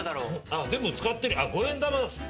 でも使ってるよ。